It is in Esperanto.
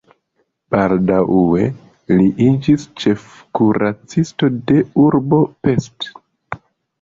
Baldaŭe li iĝis ĉefkuracisto de urbo Pest.